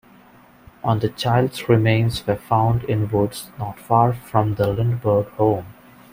On the child's remains were found in woods not far from the Lindbergh home.